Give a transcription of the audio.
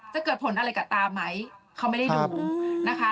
จะเกิดผลอะไรกับตาไหมเขาไม่ได้ดูนะคะ